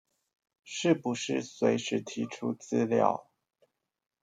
是不是隨時提出資料